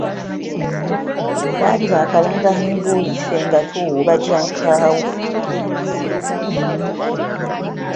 Baali bakalanga minvuuli, Ffe nga tuwuuba gya nkaawo.